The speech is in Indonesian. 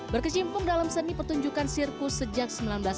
berkecimpung dalam seni pertunjukan sirkus sejak seribu sembilan ratus sembilan puluh